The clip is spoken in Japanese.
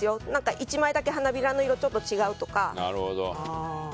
１枚だけ花びらの色がちょっと違うとか。